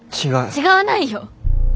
違わないよ。